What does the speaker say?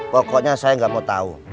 pokoknya saya gak mau tau